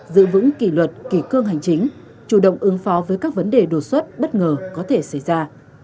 giữ vững kỳ luật kỳ cương hành chính chủ động ứng phó với các vấn đề đột xuất bất ngờ có thể xảy ra